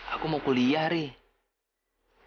aku mau kuliah rih